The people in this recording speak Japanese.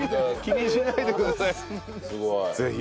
ぜひ。